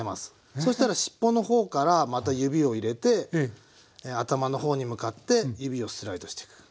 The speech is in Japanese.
そしたらしっぽの方からまた指を入れて頭の方に向かって指をスライドしていく。